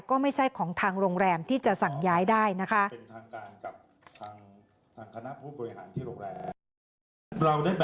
ก็ไม่ใช่ของทางโรงแรมที่จะสั่งย้ายได้นะคะ